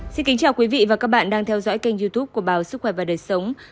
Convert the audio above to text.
xin kính chào quý vị và các bạn đang theo dõi kênh youtube của báo sức khỏe và đời sống